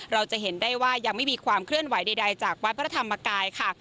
เราจะเห็นได้ว่ายังไม่มีความเคลื่อนไหวใดจากวัดพระธรรมกายค่ะ